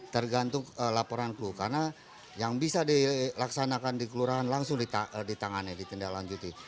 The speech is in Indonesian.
tergantung laporan clue karena yang bisa dilaksanakan di kelurahan langsung ditangani ditindaklanjuti